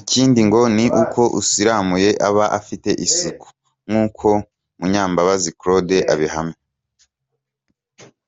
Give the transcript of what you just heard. Ikindi ngo ni uko usiramuye aba afite isuku; nk’uko Munyambabazi Claude abihamya.